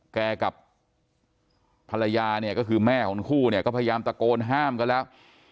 กับภรรยาเนี่ยก็คือแม่ของทั้งคู่เนี่ยก็พยายามตะโกนห้ามกันแล้ว